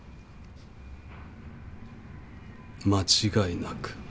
間違いなく。